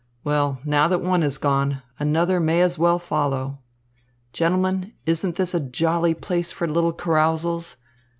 Well, now that one is gone, another may as well follow. Gentlemen, isn't this a jolly place for little carousals?"